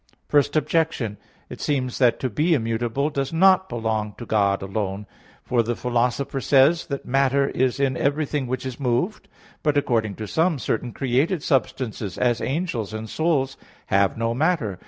Objection 1: It seems that to be immutable does not belong to God alone. For the Philosopher says (Metaph. ii) that "matter is in everything which is moved." But, according to some, certain created substances, as angels and souls, have not matter.